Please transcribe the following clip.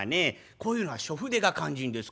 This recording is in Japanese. こういうのは初筆が肝心ですからね。